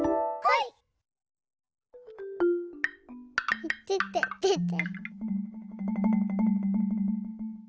いてててて。